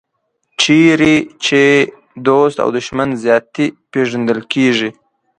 چېرې چې دوست او دښمن ذاتي پېژندل کېږي.